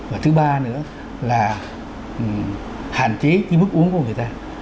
và thứ ba nữa là hạn chế cái mức uống của người ta